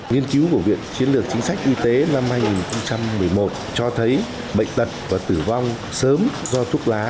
nghiên cứu của viện chiến lược chính sách y tế năm hai nghìn một mươi một cho thấy bệnh tật và tử vong sớm do thuốc lá